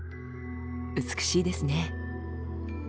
美しいですね。